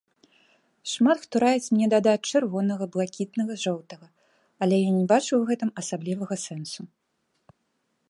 Шмат хто раіць мне дадаць чырвонага-блакітнага-жоўтага, але я не бачу ў гэтым асаблівага сэнсу.